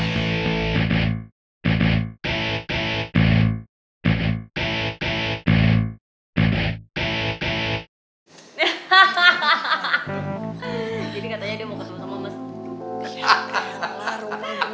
dedy katanya dia mau ketemu sama mas